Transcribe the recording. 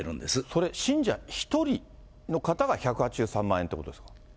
それ、信者１人の方が１８３万円ということ？